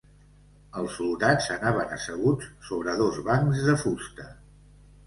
Els soldats anaven asseguts sobre dos bancs de fusta.